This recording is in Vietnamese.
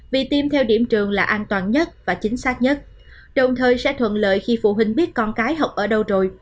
vì tiêm theo điểm trường là an toàn nhất và chính xác nhất đồng thời sẽ thuận lợi khi phụ huynh biết con cái học ở đâu rồi